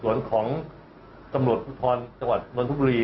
ส่วนของตำรวจภูมิธรจังหวัดบนภูมิบุรี